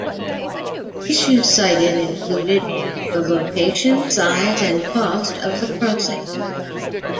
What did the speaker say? Issues cited included the location, size and cost of the crossing.